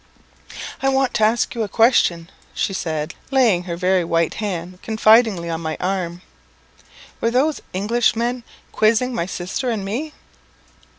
"I want to ask you a question," she said, laying her very white hand confidingly on my arm; "were those Englishmen quizzing my sister and me?"